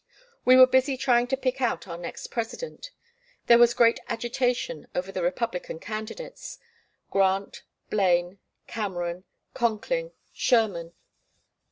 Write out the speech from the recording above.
We were busy trying to pick out our next President. There was great agitation over the Republican candidates: Grant, Blaine, Cameron, Conkling, Sherman.